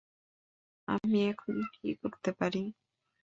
আমি এখন কী করতে পারি?